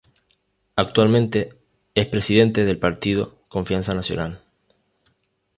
Actualmente es presidente del Partido Confianza Nacional.